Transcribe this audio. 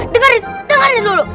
dengarin dengarin dulu